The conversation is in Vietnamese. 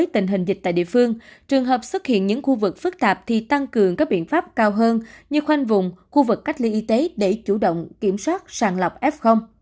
thì tăng cường các biện pháp cao hơn như khoanh vùng khu vực cách ly y tế để chủ động kiểm soát sàng lọc f